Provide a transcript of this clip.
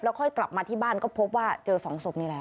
ค่อยกลับมาที่บ้านก็พบว่าเจอสองศพนี่แหละ